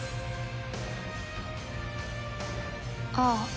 「ああ」